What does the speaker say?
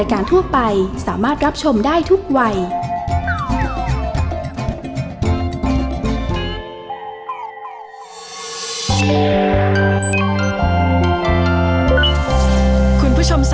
ก็ร้องได้ไข่หลาง